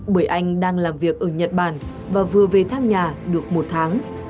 bởi anh đang làm việc ở nhật bản và vừa về thăm nhà được một tháng